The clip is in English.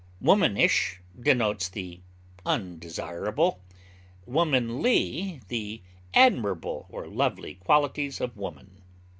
Womanish denotes the undesirable, womanly the admirable or lovely qualities of woman.